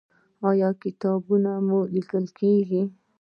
آیا کتابونه لیکل کیږي؟